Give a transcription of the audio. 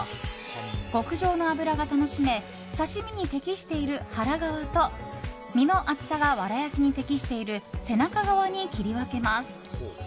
極上の脂が楽しめ刺し身に適している腹側と身の厚さがわら焼きに適している背中側に切り分けます。